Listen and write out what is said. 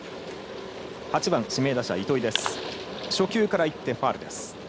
８番、指名打者、糸井。